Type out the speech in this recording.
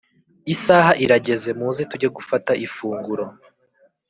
Isaha irageze muze tuge gufata ifunguro.